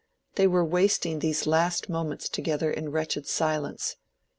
They were wasting these last moments together in wretched silence.